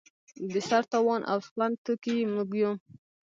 د سر تاوان او سوند توکي یې موږ یو.